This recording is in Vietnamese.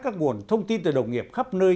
các nguồn thông tin từ đồng nghiệp khắp nơi